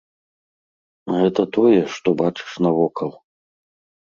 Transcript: Гэта тое, што бачыш навокал.